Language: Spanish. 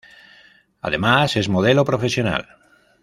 Además, es modelo profesional.